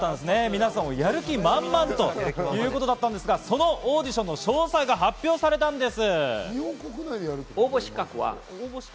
皆さんやる気満々ということだったんですが、そのオーディションの詳細が発表されたんです。